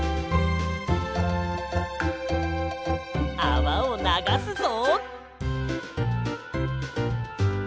あわをながすぞ。